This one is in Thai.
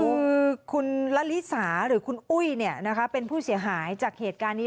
คือคุณละลิสาหรือคุณอุ้ยเป็นผู้เสียหายจากเหตุการณ์นี้